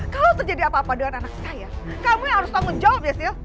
kalau terjadi apa apa dengan anak saya kamu yang harus tanggung jawab biasanya